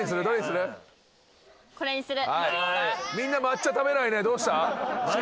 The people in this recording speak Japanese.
これにする。